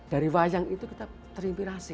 dari wayang itu kita terimpin rahasia